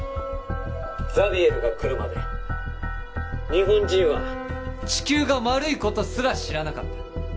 ザビエルが来るまで日本人は地球が丸いことすら知らなかった。